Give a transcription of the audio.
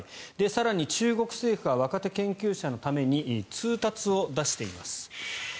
更に中国政府は若手研究者のために通達を出しています。